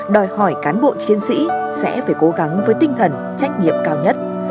đòi hỏi cán bộ chiến sĩ sẽ phải cố gắng với tinh thần trách nhiệm cao nhất